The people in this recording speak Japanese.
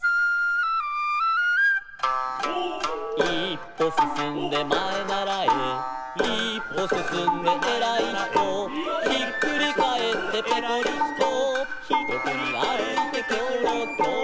「いっぽすすんでまえならえ」「いっぽすすんでえらいひと」「ひっくりかえってぺこりんこ」「よこにあるいてきょろきょろ」